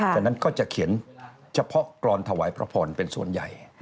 ฉะนั้นก็จะเขียนเฉพาะกรอนถวายพระพรเป็นส่วนใหญ่